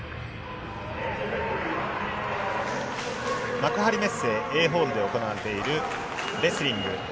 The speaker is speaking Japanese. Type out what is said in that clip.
幕張メッセＡホールで行われているレスリング。